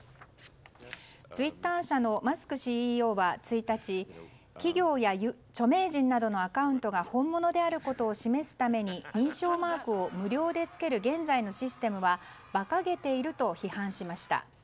ツイッター社のマスクＣＥＯは１日企業や著名人などのアカウントが本物であることを示すために認証マークを無料でつける現在のシステムはばかげていると批判しました。